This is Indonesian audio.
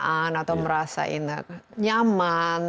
kelamaan atau merasa nyaman